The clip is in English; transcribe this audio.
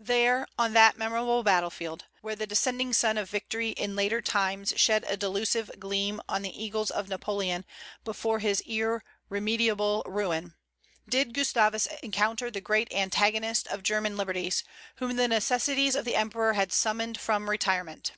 There, on that memorable battlefield, where the descending sun of victory in later times shed a delusive gleam on the eagles of Napoleon before his irremediable ruin, did Gustavus encounter the great antagonist of German liberties, whom the necessities of the Emperor had summoned from retirement.